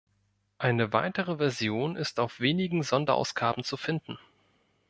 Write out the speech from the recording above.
Eine weitere Version ist auf wenigen Sonderausgaben zu finden.